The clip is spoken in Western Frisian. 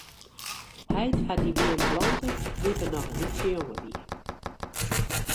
Heit hat dy beam plante doe't er noch in lytse jonge wie.